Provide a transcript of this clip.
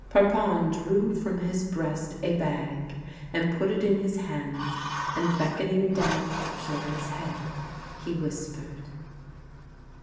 Parpon drew from his breast a bag, and put it in his hands, and beckoning down the Cure's head, he whis pered.